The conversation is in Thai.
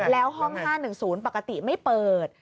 แล้วห้อง๕๑๐ปกติไม่เปิด